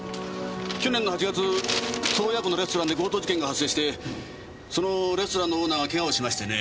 去年の８月洞爺湖のレストランで強盗事件が発生してそのレストランのオーナーが怪我をしましてね。